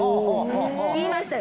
言いましたよ